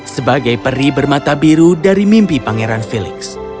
sebagai peri bermata biru dari mimpi pangeran felix